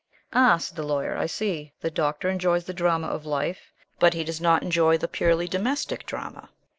"Ah," said the Lawyer, "I see. The Doctor enjoys the drama of life, but he does not enjoy the purely domestic drama."